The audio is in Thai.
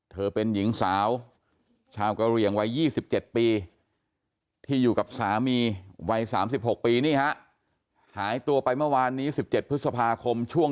เท่ากับวันที่๑๗พฤษภาคม